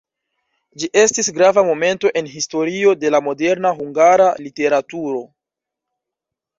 Ĝi estis grava momento en historio de la moderna hungara literaturo.